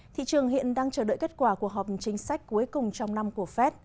thị trường hiện đang chờ đợi kết quả của họp chính sách cuối cùng trong năm của fed